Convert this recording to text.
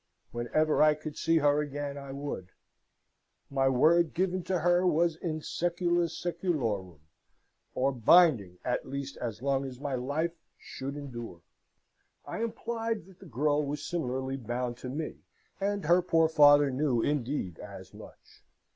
Whenever I could see her again I would. My word given to her was in secula seculorum, or binding at least as long as my life should endure. I implied that the girl was similarly bound to me, and her poor father knew indeed as much.